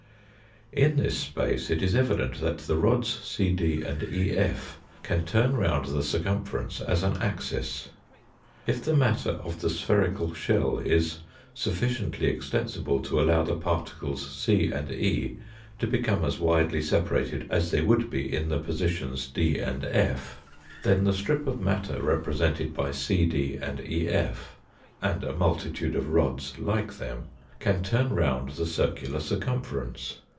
In this space it is evident that the rods CD and EF can turn round the circumference as an axis. If the matter of the spherical shell is sufficiently exten sible to allow the particles c and E to become as widely separated as they would be in the positions D and F, then 45< THE EVIDENCES FOR A FOUfcTfi DIMENSION 81 the strip of matter represented by CD and EF and a multitude of rods like them can turn round the circular circumference.